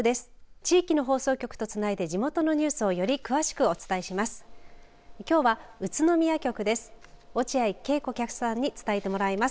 地域の放送局とつないで地元のニュースをより詳しくお伝えします。